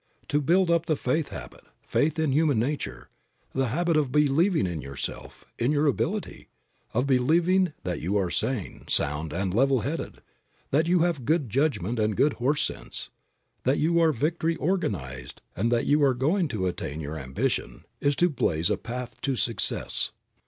To build up the faith habit, faith in human nature, the habit of believing in yourself, in your ability, of believing that you are sane, sound, and level headed, that you have good judgment and good horse sense, that you are victory organized and that you are going to attain your ambition, is to blaze a path to success.